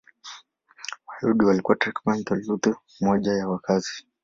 Wayahudi walikuwa takriban theluthi moja ya wakazi.